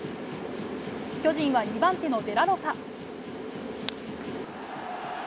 巨人は２番手のデラロサ。